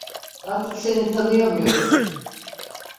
Artık seni tanıyamıyorum.